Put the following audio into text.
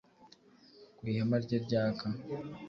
ku ihema rye ryaka